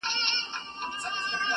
درس د میني راکه بیا همدم راکه,